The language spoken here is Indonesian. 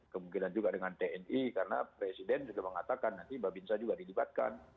kemungkinan juga dengan tni karena presiden juga mengatakan nanti babinsa juga dilibatkan